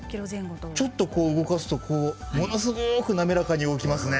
ちょっと動かすとものすごく滑らかに動きますね。